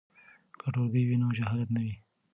که ټولګی وي نو جهالت نه وي.